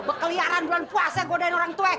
bekeliaran bulan puasa godain orang tua